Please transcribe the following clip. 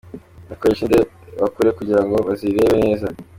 Bakoresha indebakure kugira ngo bazirebe neza.